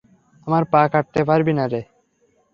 আমার পা কাটতে পারবি না রে।